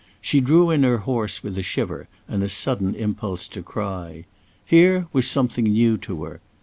She drew in her horse with a shiver and a sudden impulse to cry. Here was something new to her.